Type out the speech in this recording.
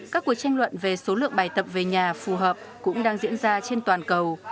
các cuộc tranh luận về số lượng bài tập về nhà phù hợp cũng đang diễn ra trên toàn cầu